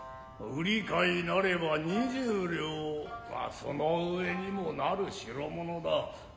売り買いなれば二十両まあその上にもなる代物だ。